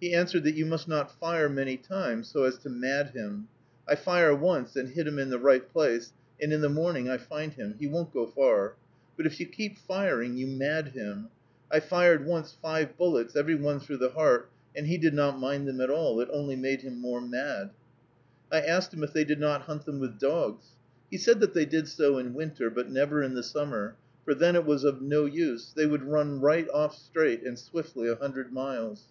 He answered that you must not fire many times, so as to mad him. "I fire once and hit him in the right place, and in the morning I find him. He won't go far. But if you keep firing, you mad him. I fired once five bullets, every one through the heart, and he did not mind 'em at all; it only made him more mad." I asked him if they did not hunt them with dogs. He said that they did so in winter, but never in the summer, for then it was of no use; they would run right off straight and swiftly a hundred miles.